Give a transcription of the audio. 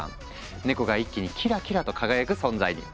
ネコが一気にキラキラと輝く存在に！